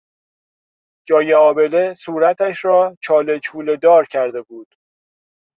جای آبله صورتش را چاله چوله دار کرده بود.